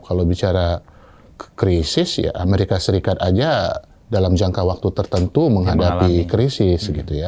kalau bicara krisis ya amerika serikat aja dalam jangka waktu tertentu menghadapi krisis gitu ya